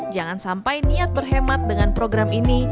jangan sampai niat berhemat dengan program ini